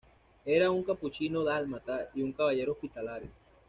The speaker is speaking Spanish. Era un capuchino dálmata y un caballero hospitalario.